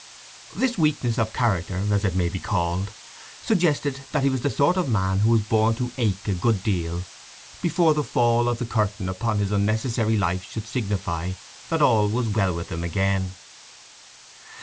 This weakness of character, as it may be called, suggested that he was the sort of man who was born to ache a good deal before the fall of the curtain upon his unnecessary life should signify that all was well with him again.